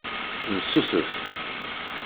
Nessusef.